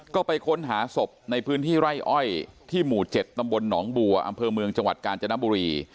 ก็ไปค้นหาศพในพื้นที่ไร่อ้อยที่หมู่๗ตำบลหนองบัวอำเภอเมืองจังหวัดกาญจนบุรี